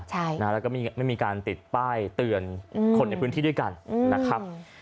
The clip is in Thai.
แล้วก็ไม่มีการติดป้ายเตือนคนในพื้นที่ด้วยกันนะครับ